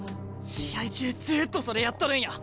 試合中ずっとそれやっとるんや！